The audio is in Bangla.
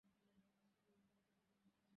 তোমার প্রিয় বউকে একটু চুমু দাও!